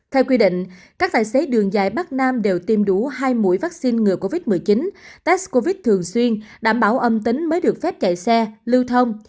theo quy định các tài xế đường dài bắc nam đều tiêm đủ hai mũi vaccine ngừa covid một mươi chín test covid thường xuyên đảm bảo âm tính mới được phép chạy xe lưu thông